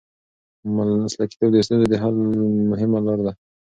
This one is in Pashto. مسلکیتوب د ستونزو د حل مهمه لار ده.